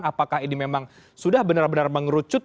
apakah ini memang sudah benar benar mengerucut